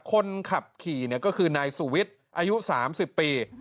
คนขับขี่เนี่ยก็คือนายสูวิทอายุ๓๐ปี